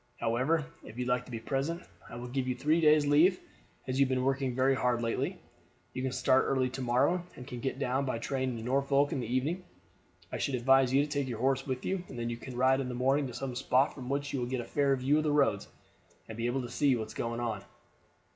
However, if you like to be present, I will give you three days' leave, as you have been working very hard lately. You can start early to morrow, and can get down by train to Norfolk in the evening. I should advise you to take your horse with you, and then you can ride in the morning to some spot from which you will get a fair view of the Roads, and be able to see what is going on."